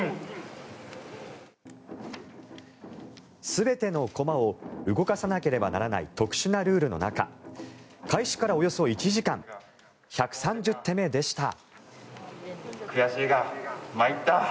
全ての駒を動かさなければならない特殊なルールの中開始からおよそ１時間１３０手目でした。